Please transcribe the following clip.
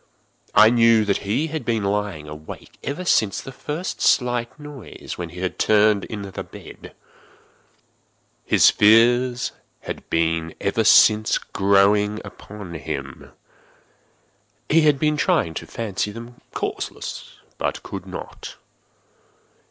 I knew that he had been lying awake ever since the first slight noise, when he had turned in the bed. His fears had been ever since growing upon him. He had been trying to fancy them causeless, but could not.